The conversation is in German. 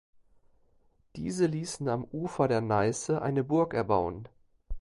Diese ließen am Ufer der Neiße eine Burg erbauen.